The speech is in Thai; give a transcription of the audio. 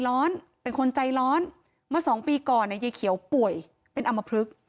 ลูกคนเดียวทีนี้ใจวิ่งใจก็ไม่รู้